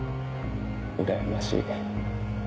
うらやましい。